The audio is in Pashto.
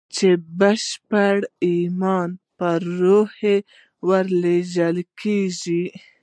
چې د بشپړ ايمان په روحيه ورلېږل کېږي.